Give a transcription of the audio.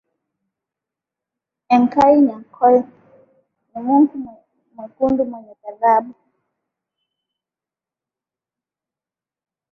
Engai Nanyokie ni mungu Mwekundumwenye ghadhabu